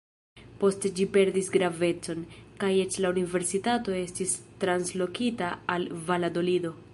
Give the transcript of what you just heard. Poste ĝi perdis gravecon, kaj eĉ la universitato estis translokita al Valadolido.